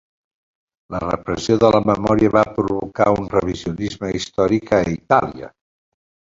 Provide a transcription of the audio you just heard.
La repressió de la memòria va provocar un revisionisme històric a Itàlia.